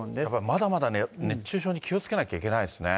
まだまだ熱中症に気をつけなきゃいけないですね。